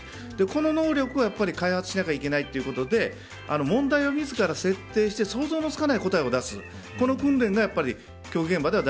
この能力は開発しなきゃいけないということで問題を自ら設定して想像がつかない答えを出す訓練が大事だと教育現場では